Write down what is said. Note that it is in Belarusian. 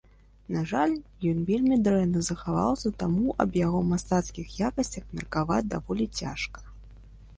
На жаль, ён вельмі дрэнна захаваўся, таму аб яго мастацкіх якасцях меркаваць даволі цяжка.